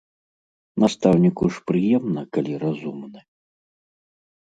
Настаўніку ж прыемна, калі разумны.